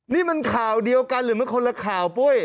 นี่มันข่าวเดียวกันหรือมันคนละข่าวปุ้ย